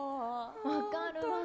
分かるわ！